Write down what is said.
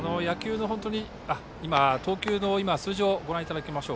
投球の数字をご覧いただきます。